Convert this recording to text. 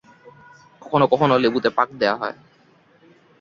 কখনও কখনও লেবুতে পাক দেওয়া হয়।